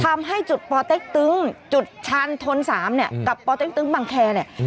ทำให้จุดจุดชันทนสามเนี้ยกับบางแครเนี้ยอืม